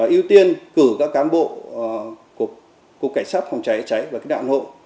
yêu tiên cử các cán bộ cục cảnh sát phòng cháy chữa cháy và kiếm nản hộ